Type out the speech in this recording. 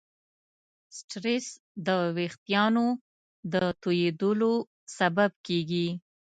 سټرېس د وېښتیانو د تویېدلو سبب کېږي.